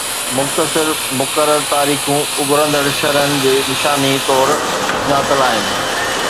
مختصر مقرر تاريخون اڀرندڙ شرحن جي نشاني طور سڃاتل آھن